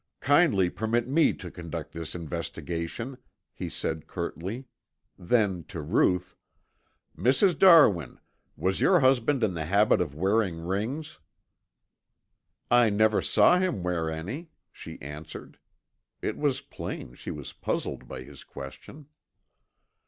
"Kindly permit me to conduct this investigation," he said curtly, then to Ruth, "Mrs. Darwin, was your husband in the habit of wearing rings?" "I never saw him wear any," she answered. It was plain she was puzzled by his question.